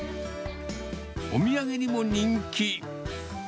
お土産にも人気。